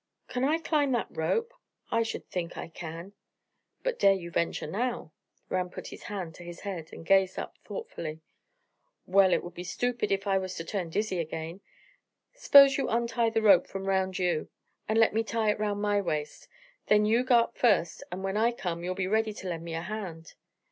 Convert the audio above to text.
"Can I climb that rope? I should think I can!" "But dare you venture now?" Ram put his hand to his head, and gazed up thoughtfully. "Well, it would be stoopid if I was to turn dizzy again. S'pose you untie the rope from round you, and let me tie it round my waist. Then you go up first, and when I come, you'll be ready to lend me a hand."